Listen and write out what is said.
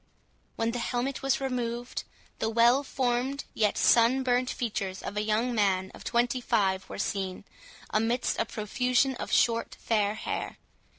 When the helmet was removed, the well formed, yet sun burnt features of a young man of twenty five were seen, amidst a profusion of short fair hair.